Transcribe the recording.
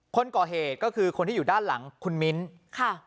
คนก่อเหตุก็คือคนที่อยู่ด้านหลังคุณมิ้นค่ะ